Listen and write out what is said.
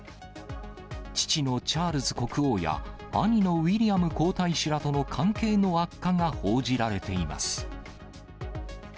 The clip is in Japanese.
父のチャールズ国王や兄のウィリアム皇太子らとの関係の悪化が報じられています。